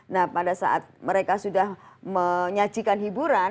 nah pada saat mereka sudah menyajikan hiburan